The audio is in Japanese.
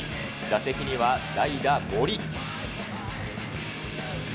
打席には代打、森。